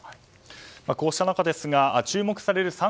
こうした中ですが注目される